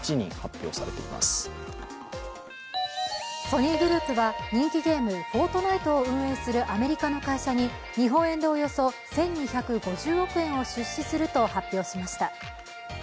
ソニーグループは、人気ゲーム「フォートナイト」を運営するアメリカの会社に日本円でおよそ１２５０億円を出資すると発表しました。